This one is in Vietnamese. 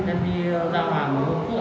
em đi giao đoàn đúng không